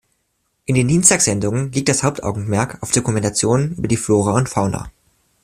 In den Dienstag-Sendungen liegt das Hauptaugenmerk auf Dokumentationen über die Flora und Fauna.